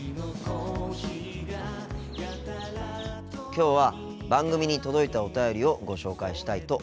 きょうは番組に届いたお便りをご紹介したいと思います。